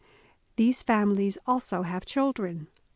These families also have children.